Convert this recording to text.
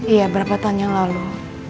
iya berapa tahun yang lalu